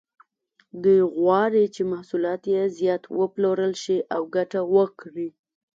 دوی غواړي چې محصولات یې زیات وپلورل شي او ګټه وکړي.